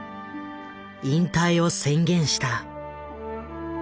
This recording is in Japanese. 引退を宣言した。